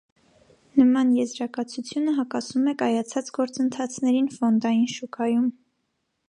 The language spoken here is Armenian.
Նման եզրակացությունը հակասում է կայացած գործընթացներին ֆոնդային շուկայում։